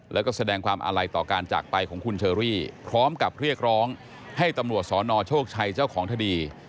แล้วก็แสดงความอาลัยต่อการจากไปของคุณเชอรี่พร้อมกับเรียกร้องให้ตำรวจสนโชคชัยเจ้าของคดี